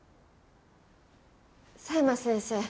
佐山先生。